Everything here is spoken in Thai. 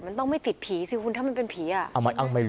มันต้องไม่ติดผีถ้ามันเป็นผี